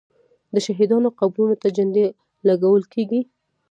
د شهیدانو قبرونو ته جنډې لګول کیږي.